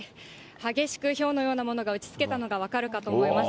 激しくひょうのようなものが打ちつけたのが分かるかと思います。